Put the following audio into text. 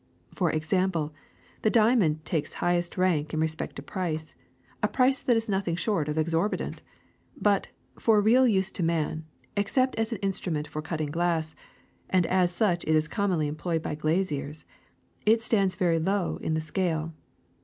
For example, the diamond takes highest rank in respect to price, a price that is nothing short of exorbitant, but for real use to man, except as an instrument for cutting glass — and as such it is commonly employed by glaziers — it stands very low in the scale.